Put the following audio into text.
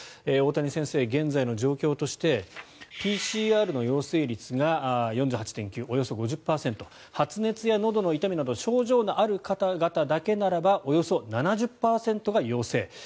大谷先生、現在の状況としてＰＣＲの陽性率が４８．９およそ５０％発熱やのどの痛みなど症状のある方々だけなら７０％が陽性。